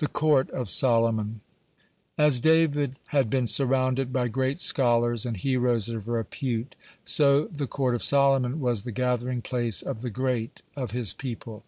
(93) THE COURT OF SOLOMON As David had been surrounded by great scholars and heroes of repute, so the court of Solomon was the gathering place of the great of his people.